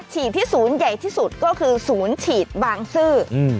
ฉีดที่ศูนย์ใหญ่ที่สุดก็คือศูนย์ฉีดบางซื่อ